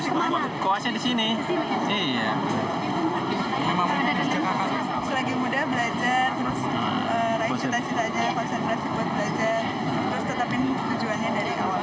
selagi muda belajar terus raih cita cita aja konservasi buat belajar terus tetapi tujuannya dari awal